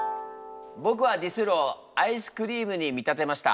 僕は「ディスる」をアイスクリームに見立てました。